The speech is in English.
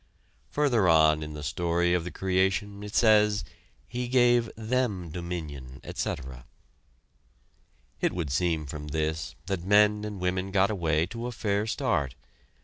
Further on in the story of the creation it says: "He gave them dominion, etc." It would seem from this, that men and women got away to a fair start.